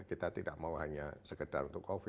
kita tidak mau hanya sekedar untuk covid